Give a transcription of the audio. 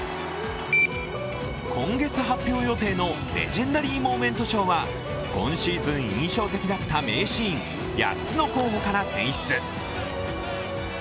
今月発表予定のレジェンダリー・モーメント賞は今シーズン印象的だった名シーン８つの候補から選出。